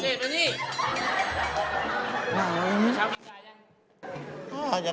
เกร็ด